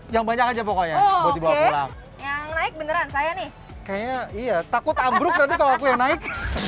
yang banyak aja pokoknya yang naik beneran saya nih kayaknya iya takut abruk nanti kalau naik